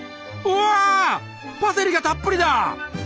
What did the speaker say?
うわパセリがたっぷりだ！